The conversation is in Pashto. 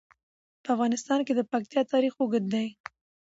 په افغانستان کې د پکتیا تاریخ اوږد دی.